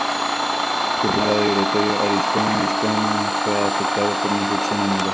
Junto con un camarada, Éurito, Aristodemo fue afectado por una infección en el ojo.